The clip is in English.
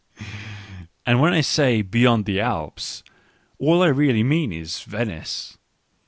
And when I say beyond the Alps, all I really mean is Venice.